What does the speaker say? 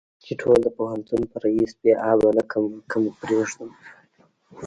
چې ټول د پوهنتون په ريس بې آبه نه کم که مو پرېدم.